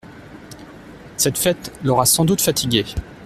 -cette fête l’aura sans doute fatigué !